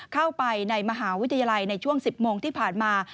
เข้าไปในมหาวิทยาลัยในช่วง๑๐โมงที่ผ่านมา